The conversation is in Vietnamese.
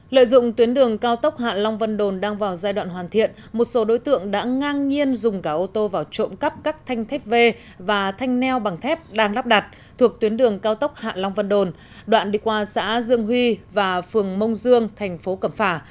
lợi dụng tuyến đường cao tốc hạ long vân đồn đang vào giai đoạn hoàn thiện một số đối tượng đã ngang nhiên dùng cả ô tô vào trộm cắp các thanh thép v và thanh neo bằng thép đang lắp đặt thuộc tuyến đường cao tốc hạ long vân đồn đoạn đi qua xã dương huy và phường mông dương thành phố cẩm phả